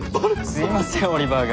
すいませんオリバーが。